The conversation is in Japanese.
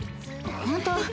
本当。